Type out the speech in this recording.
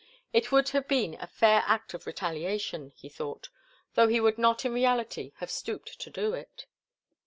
It would have been a fair act of retaliation, he thought, though he would not in reality have stooped to do it.